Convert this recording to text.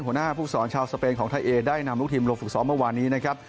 หัวหน้าผู้สอนชาวสเปนของไทยเอได้นำลูกทีมลงฝึกซ้อมเมื่อวานนี้นะครับ